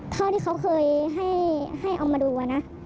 เท่าที่เขาเคยให้เอามาดูนะ